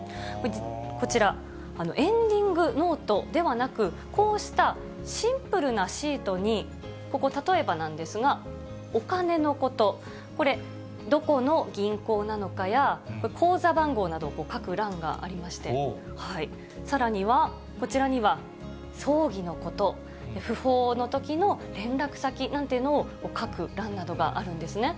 こちら、エンディングノートではなく、こうしたシンプルなシートに、ここ、例えばなんですが、お金のこと、これ、どこの銀行なのかや、口座番号などを書く欄がありまして、さらには、こちらには葬儀のこと、訃報のときの連絡先なんていうのを書く欄などがあるんですね。